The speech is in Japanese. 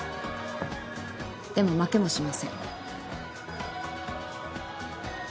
でも負けもしません。